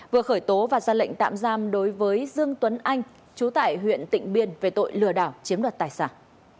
vừa khởi tố và ra lệnh tạm giam đối với dương tuấn anh chú tại huyện tịnh biên về tội lừa đảo chiếm đoạt tài sản